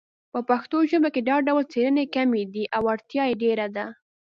په پښتو ژبه کې دا ډول څیړنې کمې دي او اړتیا یې ډېره ده